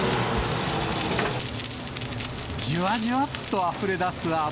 じゅわじゅっとあふれ出す脂。